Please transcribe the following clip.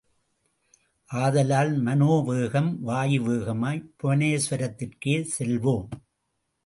ஆதலால், மனோவேகம், வாயு வேகமாய் புவனேஸ்வரத்திற்கே செல்வோம்.